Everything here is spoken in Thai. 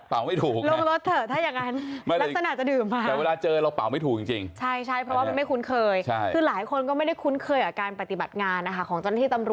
ลงรถเถอะลงรถเถอะถ้าอย่างนั้นลักษณะจะดื่มมา